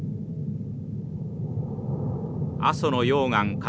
阿蘇の溶岩火山